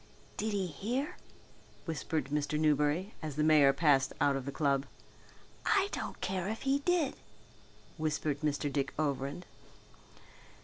"Did he hear?" whispered Mr. Newberry as the mayor passed out of the club. "I don't care if he did," whispered Mr. Dick Overend.